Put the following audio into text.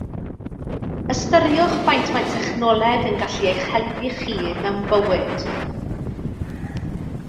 Ystyriwch faint mae technoleg yn gallu eich helpu chi mewn bywyd.